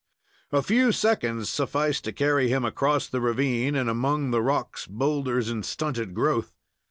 A few seconds sufficed to carry him across the ravine, and among the rocks, boulders, and stunted growth.